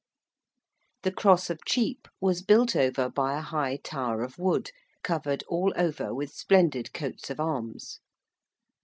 The Cross of Chepe was built over by a high tower of wood covered all over with splendid coats of arms.